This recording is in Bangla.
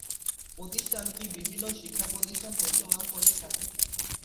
প্রতিষ্ঠানটি বিভিন্ন শিক্ষাপ্রতিষ্ঠান পরিচালনা করে থাকে।